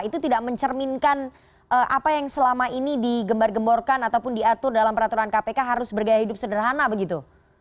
itu tidak mencerminkan apa yang selama ini digembar gemborkan ataupun diatur dalam peraturan kpk harus bergaya hidup sederhana begitu